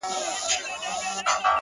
ستا د مستۍ په خاطر،